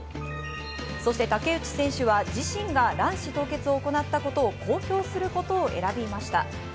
そして竹内選手は自身が卵子凍結を行ったことを公表することを選びました。